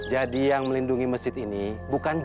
jadi yang melindungi masjid ini bukan jin